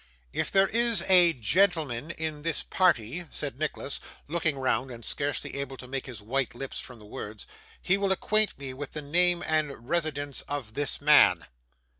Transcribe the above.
'If there is a gentleman in this party,' said Nicholas, looking round and scarcely able to make his white lips form the words, 'he will acquaint me with the name and residence of this man.